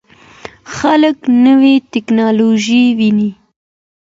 خلک نوې ټکنالوژي ویني.